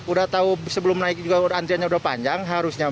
udah tahu sebelum naik juga antriannya udah panjang harusnya